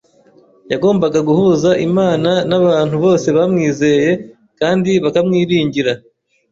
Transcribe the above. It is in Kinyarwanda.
yagombaga guhuza Imana n’abantu bose bamwizeye kandi bakamwiringira.